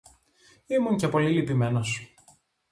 Ήμουν και πολύ λυπημένος